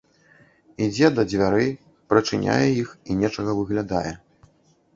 Ідзе да дзвярэй, прачыняе іх і нечага выглядае.